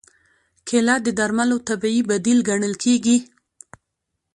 کېله د درملو طبیعي بدیل ګڼل کېږي.